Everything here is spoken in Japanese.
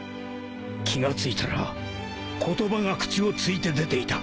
気が付いたら言葉が口をついて出ていた